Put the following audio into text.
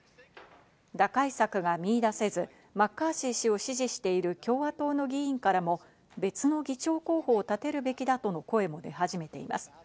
打開策が見いだせず、マッカーシー氏を支持している共和党の議員からも別の議長候補を立てるべきだとの声も出始めています。